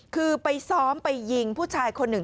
คือไปซ้อมไปยิงผู้ชายคนหนึ่ง